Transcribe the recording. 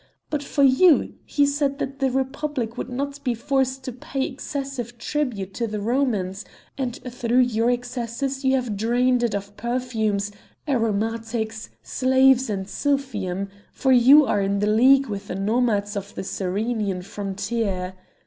But for you (he said that!) the Republic would not be forced to pay excessive tribute to the Romans; and through your excesses you have drained it of perfumes, aromatics, slaves, and silphium, for you are in league with the nomads on the Cyrenian frontier!